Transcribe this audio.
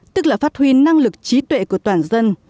tức là phát huy năng lực trí tuệ của toàn dân